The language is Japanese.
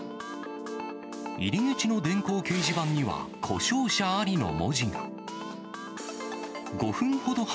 入り口の電光掲示板には故障車ありの文字が。